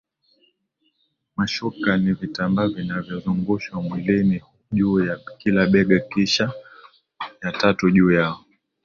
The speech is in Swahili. Mashuka ni vitambaa vinavyozungushwa mwilini juu ya kila bega kisha ya tatu juu yao